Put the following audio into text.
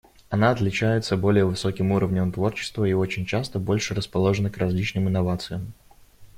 Она отличается более высоким уровнем творчества и очень часто больше расположена к различным инновациям.